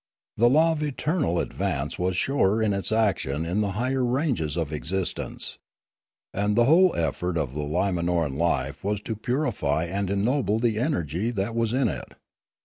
The law of eternal advance was surer in its action in the higher ranges of existence. And the whole effort of I^imanoran life was to purify and ennoble the energy that was in it.